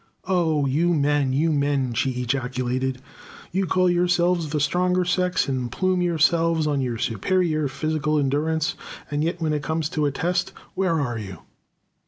"O you men, you men!" she ejaculated. "You call yourselves the stronger sex, and plume yourselves on your superior physical endurance, and yet when it comes to a test, where are you?"